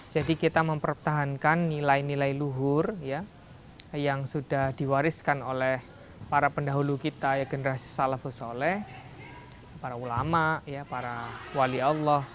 jadi kita mempertahankan nilai nilai luhur yang sudah diwariskan oleh para pendahulu kita generasi salafus sholay para ulama para wali allah